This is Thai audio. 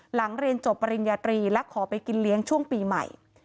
หลังเรียนจบปริญญาตรีและขอไปกินเลี้ยงช่วงปีใหม่